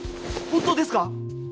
本当ですか？